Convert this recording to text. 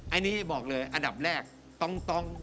อันนี้บอกเลยอันดับแรกต้อง